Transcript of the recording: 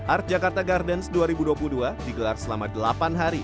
art jakarta gardens dua ribu dua puluh dua digelar selama delapan hari